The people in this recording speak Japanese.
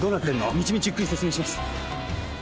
道々ゆっくり説明します。